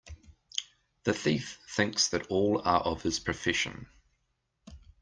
The thief thinks that all are of his profession.